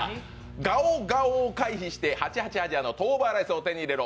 「ガオガオを回避して８８亜細亜のトーバーライスを手に入れろ！